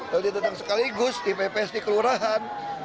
lalu dia tentang sekaligus di pps di kelurahan